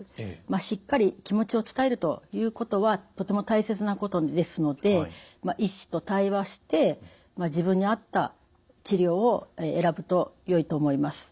しっかり気持ちを伝えるということはとても大切なことですので医師と対話して自分に合った治療を選ぶとよいと思います。